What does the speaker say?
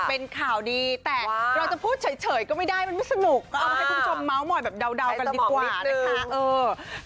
เป็นข่าวดีแต่เราจะพูดเฉยก็ไม่ได้มันไม่สนุกก็เอามาให้คุณผู้ชมเมาส์มอยแบบเดากันดีกว่านะคะ